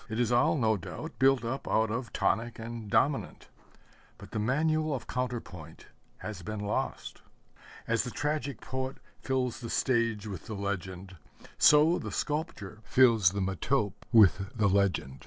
It is all, no doubt, built up out of tonic and dominant but the manual of counter point has been lost. As the tragic poet fills the stage with the legend, so the sculptor fills the metope with the legend.